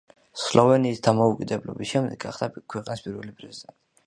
სლოვენიის დამოუკიდებლობის შემდეგ გახდა ქვეყნის პირველი პრეზიდენტი.